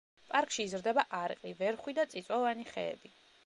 პარკში იზრდება არყი, ვერხვი და წიწვოვანი ხეები.